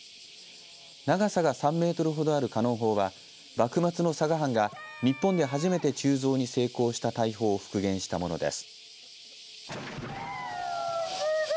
長さが３メートルほどあるカノン砲は幕末の佐賀藩が日本で初めて鋳造に成功した大砲を復元したものです。